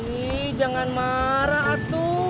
ih jangan marah atu